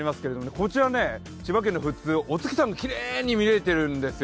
こちら千葉県の富津、お月さんがきれいに見えているんですよ。